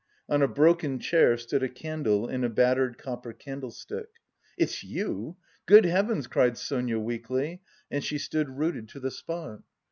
On a broken chair stood a candle in a battered copper candlestick. "It's you! Good heavens!" cried Sonia weakly, and she stood rooted to the spot.